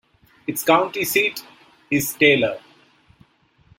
Its county seat is Taylor.